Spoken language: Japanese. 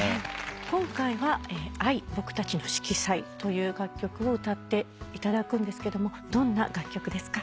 今回は。という楽曲を歌っていただくんですけどもどんな楽曲ですか？